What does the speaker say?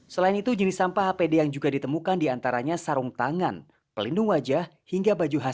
selain itu jenis sampah apd yang juga ditemukan di antaranya sarung tangan pelindung wajah hingga baju hasil